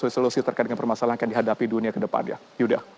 resolusi terkait dengan permasalahan yang dihadapi dunia ke depan ya yudha